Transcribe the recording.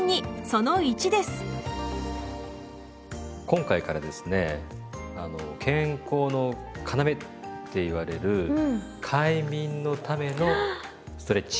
今回からですね「健康のかなめ」って言われる快眠のためのストレッチ。